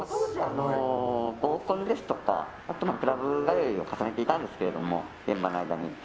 合コンですとかクラブ通いを重ねていたんですけど現場の間に。